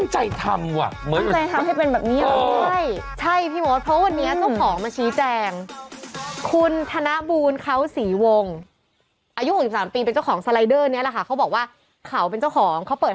ใช่โจ๊กแล้วไม่เห็นเสาอ่ะมันจะหาจ